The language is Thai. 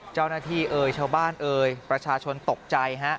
เจ้าหน้าที่เอ่ยเช้าบ้านเอ่ยประชาชนตกใจ